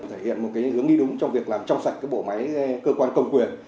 thể hiện một hướng đi đúng trong việc làm trong sạch bộ máy cơ quan công quyền